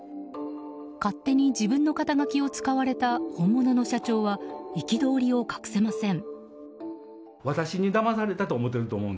勝手に自分の肩書を使われた本物の社長は憤りを隠せません。